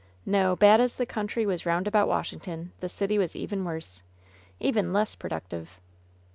No, bad as the country was round about Washington, the city was even worse — even less productive.